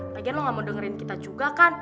lagian lo gak mau dengerin kita juga kan